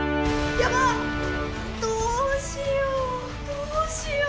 どうしよう。